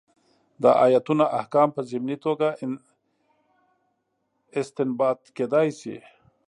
دا ایتونه احکام په ضمني توګه استنباط کېدای شي.